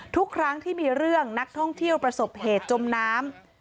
ทุกครั้งที่มีเรื่องนักท่องเที่ยวประสบเหตุจมน้ำ